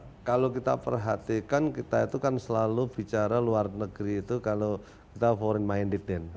ya kalau kita perhatikan kita itu kan selalu bicara luar negeri itu kalau kita forei minded net